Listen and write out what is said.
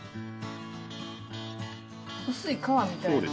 薄い皮みたいな。